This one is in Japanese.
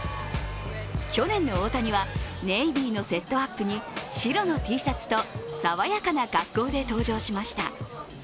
去年の大谷はネイビーのセットアップに白のＴシャツと爽やかな格好で登場しました。